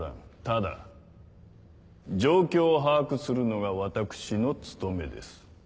ただ状況を把握するのが私の務めです。